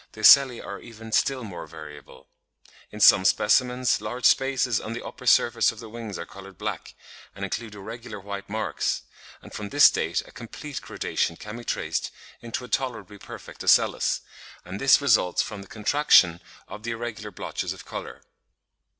53) large spaces on the upper surface of the wings are coloured black, and include irregular white marks; and from this state a complete gradation can be traced into a tolerably perfect ocellus (A1), and this results from the contraction of the irregular blotches of colour.